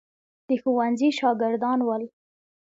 د ښوونځي شاګردان ول.